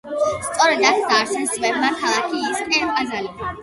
სწორედ აქ დააარსეს ძმებმა ქალაქი ისკე-ყაზანი.